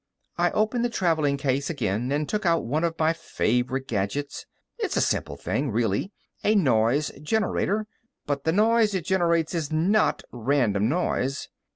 I opened the traveling case again and took out one of my favorite gadgets. It's a simple thing, really: a noise generator. But the noise it generates is non random noise.